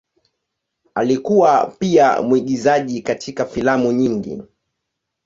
Alikuwa pia mwigizaji katika filamu nyingi.